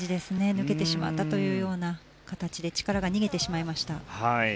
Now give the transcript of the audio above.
抜けてしまったという形で力が逃げてしまいました。